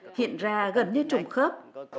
đã diễn ra gần như trùng khớp